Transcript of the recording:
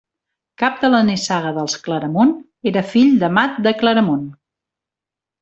Cap de la nissaga dels Claramunt, era fill d'Amat de Claramunt.